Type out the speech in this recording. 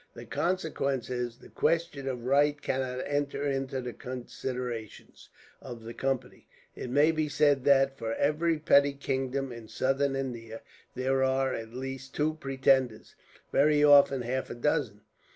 The consequence is, the question of right cannot enter into the considerations of the Company. It may be said that, for every petty kingdom in Southern India, there are at least two pretenders, very often half a dozen.